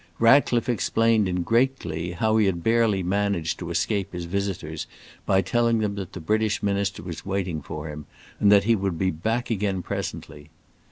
Ratcliffe explained in great glee how he had barely managed to escape his visitors by telling them that the British Minister was waiting for him, and that he would be back again presently.